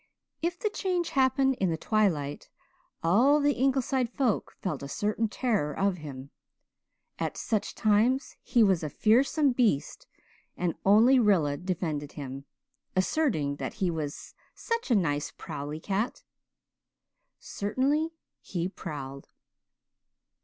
If the change happened in the twilight all the Ingleside folk felt a certain terror of him. At such times he was a fearsome beast and only Rilla defended him, asserting that he was "such a nice prowly cat." Certainly he prowled.